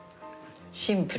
「シンプル」